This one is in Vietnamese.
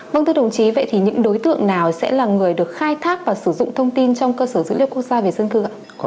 vâng thưa đồng chí vậy thì những đối tượng nào sẽ là người được khai thác và sử dụng thông tin trong cơ sở dữ liệu quốc gia về dân cư ạ